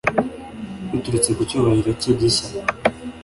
Biturutse ku cyubahiro cye gishya